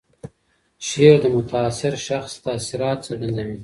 شعر د متاثر شخص تاثیرات څرګندوي.